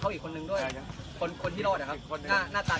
สวัสดีครับทุกคนขอบคุณครับทุกคน